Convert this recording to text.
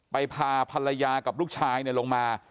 พาภรรยากับลูกชายลงมา